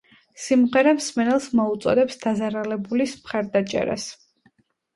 სიმღერა მსმენელს მოუწოდებს დაზარალებულის მხარდაჭერას.